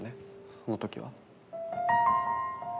その時は。